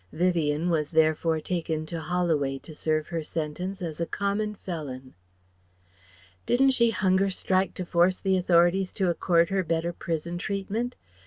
Vivien was therefore taken to Holloway to serve her sentence as a common felon. "Didn't she hunger strike to force the Authorities to accord her better prison treatment?"